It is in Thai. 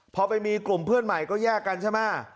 พอไปมีกลุ่มเพื่อนใหม่ก็แยกกันใช่ไหม